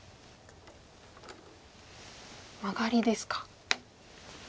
マガリですか。